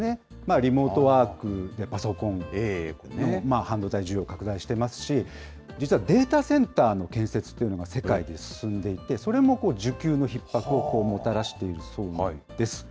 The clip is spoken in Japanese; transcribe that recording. リモートワークでパソコン、半導体需要拡大していますし、実はデータセンターの建設というのが、世界で進んでいて、それも需給のひっ迫をもたらしているそうです。